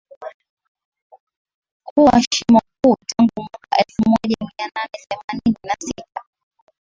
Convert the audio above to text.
kuwa shimo kuu tangu mwaka elfumoja mianane themanini na sita